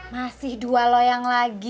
masih dua loyang lagi